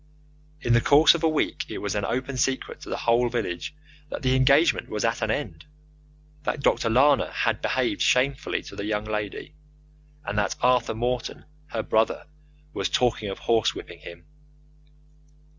In the course of a week it was an open secret to the whole village that the engagement was at an end, that Dr. Lana had behaved shamefully to the young lady, and that Arthur Morton, her brother, was talking of horse whipping him.